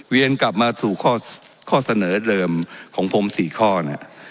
เวียนกลับมาถูกข้อข้อเสนอเดิมของผมสี่ข้อเนี่ย